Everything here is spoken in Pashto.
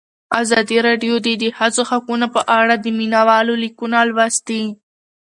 ازادي راډیو د د ښځو حقونه په اړه د مینه والو لیکونه لوستي.